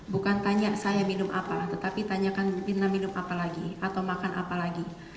bukan tanya saya minum apalah tetapi tanyakan mirna minum apa lagi atau makan apa lagi